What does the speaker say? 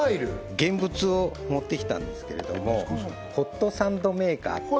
現物を持ってきたんですけれどもホットサンドメーカー